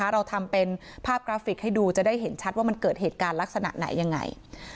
เราทำเป็นภาพกราฟิกให้ดูจะได้เห็นชัดว่ามันเกิดเหตุการณ์ลักษณะไหนยังไง